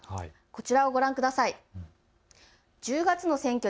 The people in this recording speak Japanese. こちらをご覧ください。